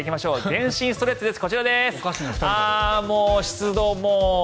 全身ストレッチです。